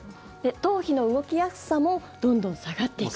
頭皮の動きやすさもどんどん下がっていくと。